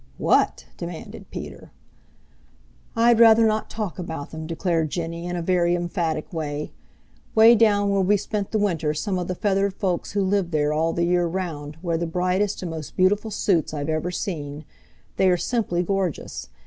"What?" demanded Peter. "I'd rather not talk about them," declared Jenny in a very emphatic way. "'Way down where we spent the winter some of the feathered folks who live there all the year round wear the brightest and most beautiful suits I've ever seen. They are simply gorgeous.